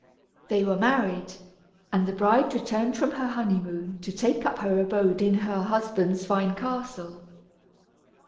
They were married, and the bride returned from her honeymoon to take up her abode in her husband's fine castle.